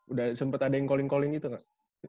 udah sempet ada yang calling calling gitu gak